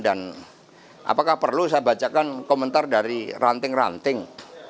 dan apakah perlu saya bacakan komentar dari ranting ranting